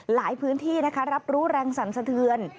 หลายพื้นที่นะคะรับรู้แรงสั่นสะเทือน